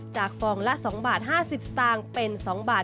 จากฟองละ๒๕๐บาทเป็น๒๙๐บาท